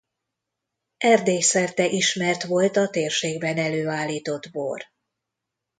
Erdély szerte ismert volt a térségben előállított bor.